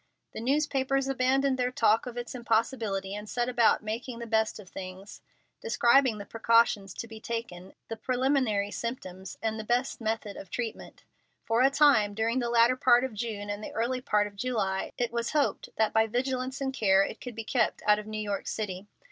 The newspapers abandoned their talk of its impossibility, and set about making the best of things, describing the precautions to be taken, the preliminary symptoms, and the best method of treatment. For a time, during the latter part of June and the early part of July, it was hoped that by vigilance and care it could be kept out of New York City.